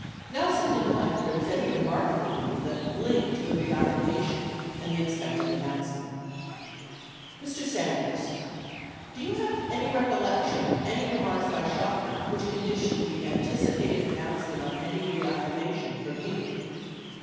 85 Nelson denied that there was any remark at the meeting that "linked" the reaffirmation and the expected announcement: Mr. Sanders. do you have any recollection of any re marks by Chotiner which conditioned the anticipated an nouncement on any reaffirmation from you